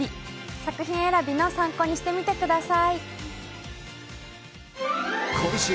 作品選びの参考にしてみてください。